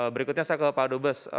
berikutnya saya ke pak dubes